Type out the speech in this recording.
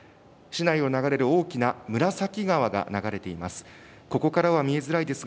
市内を流れる大きなむらさき川が流れています。